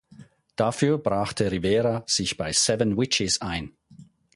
Dafür brachte Rivera sich bei Seven Witches ein.